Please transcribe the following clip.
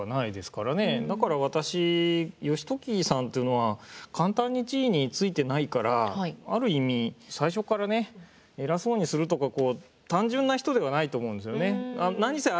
だから私義時さんというのは簡単に地位についてないからある意味最初からね偉そうにするとか単純な人ではないと思うんですよね。